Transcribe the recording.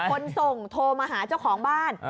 คนส่งโทรมาหาเจ้าของบ้าน